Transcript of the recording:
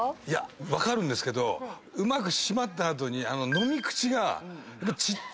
分かるんですけどうまく閉まった後に。